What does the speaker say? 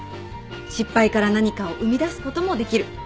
失敗から何かを生み出すこともできる。